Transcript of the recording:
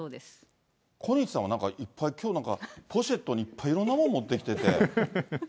小西さんは、なんかきょう、いっぱい、きょうなんかポシェットにいろんなもん持ってきてて。